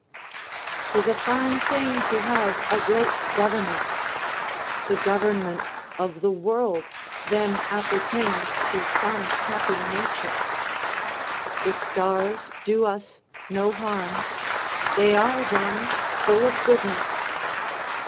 'Tis a fine thing to have a great government; the government of the world then appertains to some happy nature. The stars do us no harm; they are then full of goodness.